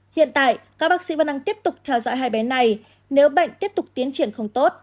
hiện tại các bác sĩ vẫn đang tiếp tục theo dõi hai bé này nếu bệnh tiếp tục tiến triển không tốt